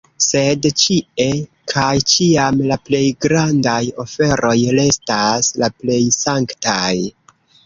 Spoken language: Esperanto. Sed ĉie kaj ĉiam la plej grandaj oferoj restas la plej sanktaj.